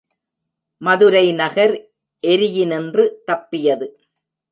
மதுரை நகர் எரியினின்று தப்பியது.